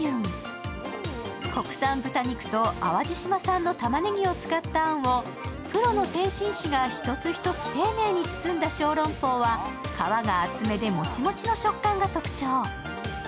国産豚肉と淡路島産たまねぎを使ったあんをプロの点心師が一つ一つていねいに包んだ小籠包は皮が厚めでモチモチの食感が特徴。